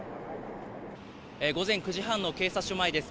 午前９時半の警察署前です。